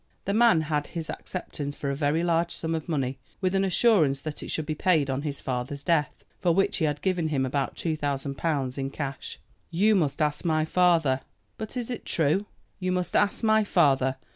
The man had his acceptance for a very large sum of money, with an assurance that it should be paid on his father's death, for which he had given him about two thousand pounds in cash. "You must ask my father." "But is it true?" "You must ask my father.